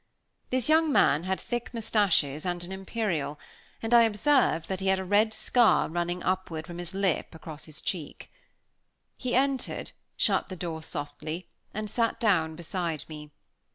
This young man had thick moustaches and an imperial, and I observed that he had a red scar running upward from his lip across his cheek. He entered, shut the door softly, and sat down beside me.